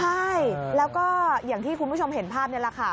ใช่แล้วก็อย่างที่คุณผู้ชมเห็นภาพนี่แหละค่ะ